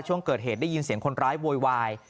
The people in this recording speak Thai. ช่วงเกิดเหตุได้ยินเสียงคนร้ายโวยวาย